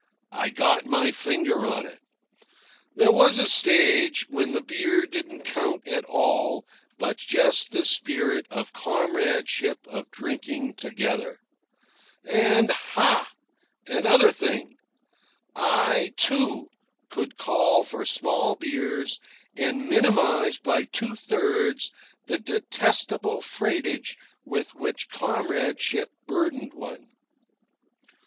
I got my finger on it. There was a stage when the beer didn't count at all, but just the spirit of comradeship of drinking together. And, ha! another thing! I, too, could call for small beers and minimise by two thirds the detestable freightage with which comradeship burdened one.